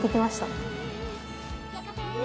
うわ！